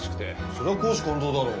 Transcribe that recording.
そりゃ公私混同だろ。